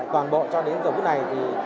toàn bộ cho đến giờ bước này